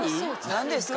何ですか？